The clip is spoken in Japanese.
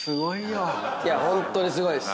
ホントにすごいです。